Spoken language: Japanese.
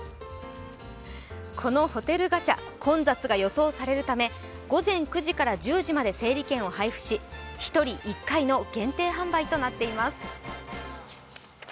このホテルガチャ、混雑が予想されるため午前９時から１０時まで整理券を配布し１人１回の限定販売となっています。